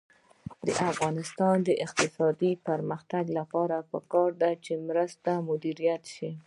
د افغانستان د اقتصادي پرمختګ لپاره پکار ده چې مرستې مدیریت شي.